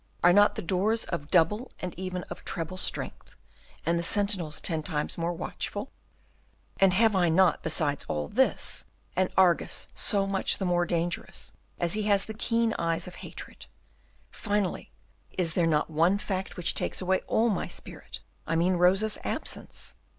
Are not the doors of double and even of treble strength, and the sentinels ten times more watchful? And have not I, besides all this, an Argus so much the more dangerous as he has the keen eyes of hatred? Finally, is there not one fact which takes away all my spirit, I mean Rosa's absence?